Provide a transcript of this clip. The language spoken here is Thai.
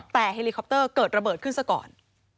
แต่เฮลิคอปเตอร์เกิดระเบิดขึ้นซะก่อน